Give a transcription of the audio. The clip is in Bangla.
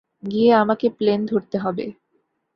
গিয়ে আমাকে প্লেন ধরতে হবে।